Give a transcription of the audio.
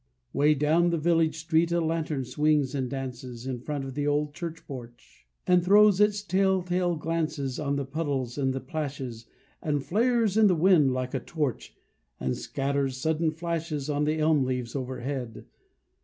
'Way down the village street A lantern swings and dances In front of the old church porch, And throws its telltale glances On the puddles and the plashes, And flares in the wind like a torch, And scatters sudden flashes On the elm leaves overhead.